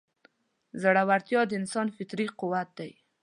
زړهورتیا د انسان فطري قوت دی.